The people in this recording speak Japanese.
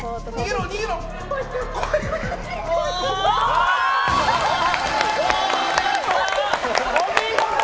お見事！